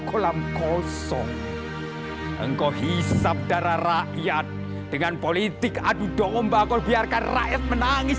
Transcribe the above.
kolam kosong engkau hisap darah rakyat dengan politik adu domba kau biarkan rakyat menangis